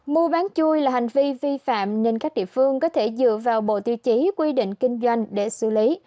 mua bán chui là hành vi vi phạm nên các địa phương có thể dựa vào bộ tiêu chí quy định kinh doanh để xử lý